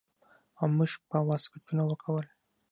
او موږ به واسکټونه ورکول.